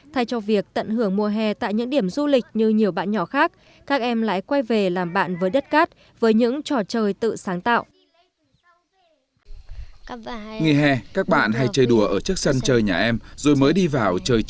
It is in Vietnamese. thay cho việc tận hưởng mùa hè tại những điểm du lịch như nhiều bạn nhỏ khác các em lại quay về làm bạn với đất cát với những trò chơi tự sáng tạo